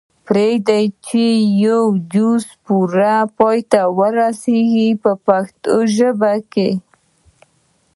پریږدئ چې یې په جوش پوره پای ته ورسیږي په پښتو ژبه.